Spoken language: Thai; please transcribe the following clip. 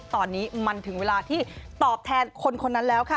ตอนนี้มันถึงเวลาที่ตอบแทนคนคนนั้นแล้วค่ะ